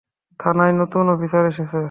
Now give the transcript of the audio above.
থানায় নতুন অফিসার এসেছে।